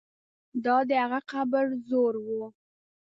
دا د هغه قبر زور وو.